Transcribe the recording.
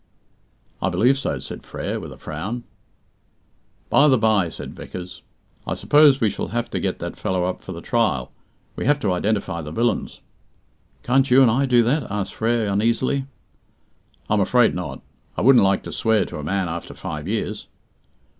"I believe so," said Frere, with a frown. "By the by," said Vickers, "I suppose we shall have to get that fellow up for the trial. We have to identify the villains." "Can't you and I do that?" asked Frere uneasily. "I am afraid not. I wouldn't like to swear to a man after five years."